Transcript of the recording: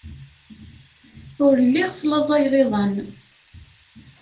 Ur lliɣ slaẓayeɣ iḍan.